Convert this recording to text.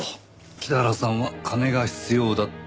北原さんは金が必要だった。